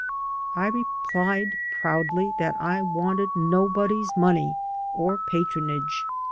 I replied proudly that I wanted nobody's money or patronage.